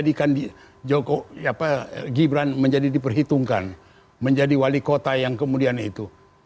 dan gibran menjadi diperhitungkan menjadi wali kota yang kemudian itu